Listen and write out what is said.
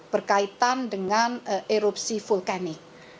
berkaitan dengan erupsi vulkanik